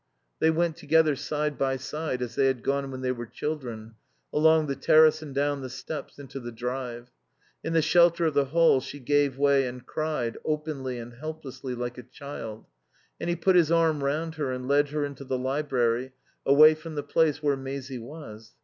They went together, side by side, as they had gone when they were children, along the terrace and down the steps into the drive. In the shelter of the hall she gave way and cried, openly and helplessly, like a child, and he put his arm round her and led her into the library, away from the place where Maisie was.